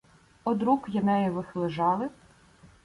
Од рук Енеєвих лежали